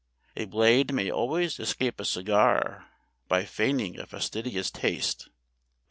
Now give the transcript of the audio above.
A Blade may always escape a cigar by feigning a fastidious taste.